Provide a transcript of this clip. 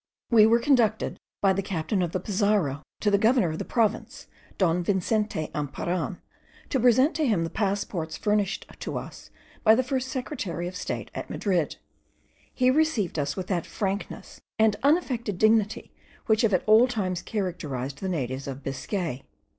We were conducted by the captain of the Pizarro to the governor of the province, Don Vincente Emparan, to present to him the passports furnished to us by the first Secretary of State at Madrid. He received us with that frankness and unaffected dignity which have at all times characterized the natives of Biscay.